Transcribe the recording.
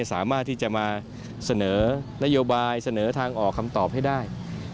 สามารถที่จะมาเสนอนโยบายเสนอทางออกคำตอบให้ได้